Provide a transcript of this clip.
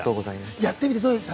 やってみてどうでした？